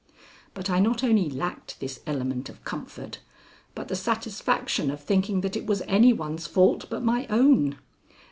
But I not only lacked this element of comfort, but the satisfaction of thinking that it was any one's fault but my own.